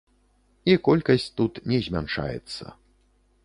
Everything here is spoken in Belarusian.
І колькасць тут не змяншаецца.